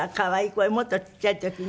これもっとちっちゃい時ね。